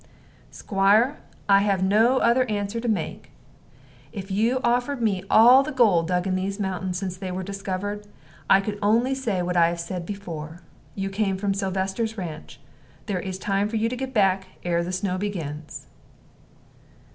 "Squire, I have no other answer to make. If you offered me all the gold dug in these mountains since they were discovered, I could only say what I have said before. You came from Sylvester's ranch there is time for you to get back ere the snow begins."